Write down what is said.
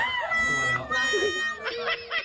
นั่นโดนไม่ต่อย